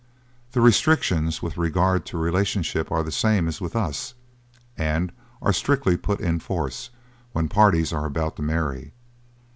The restrictions with regard to relationship are the same as with us, and are strictly put in force when parties are about to marry.